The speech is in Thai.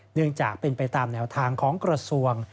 เนื่องจากเป็นไปตามแนวทางของกระทรวง